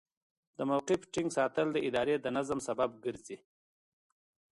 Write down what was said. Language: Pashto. د موقف ټینګ ساتل د ادارې د نظم سبب ګرځي.